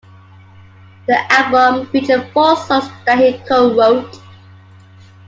The album featured four songs that he co-wrote.